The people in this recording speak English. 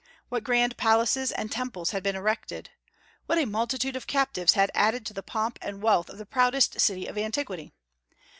What grand palaces and temples had been erected! What a multitude of captives had added to the pomp and wealth of the proudest city of antiquity!